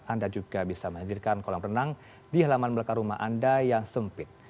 anda juga bisa menyaksikan kolam renang di halaman belakang rumah anda yang sempit